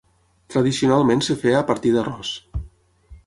Tradicionalment es feia a partir d'arròs.